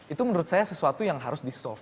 itu menurut saya sesuatu yang harus disolv